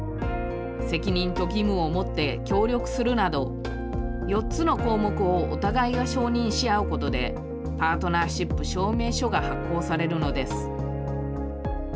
責任と義務をもって協力するなど、４つの項目をお互いが承認し合うことで、パートナーシップ証明書が発行されるのです。